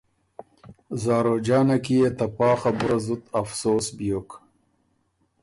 زاروجانه کی يې ته پا خبُره زُت افسوس بیوک